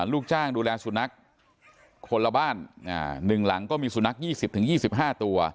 ลูกจ้างดูแลสุนัขคนละบ้าน๑หลังก็มีสุนัข๒๐๒๕ตัว